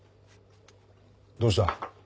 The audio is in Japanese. どうした？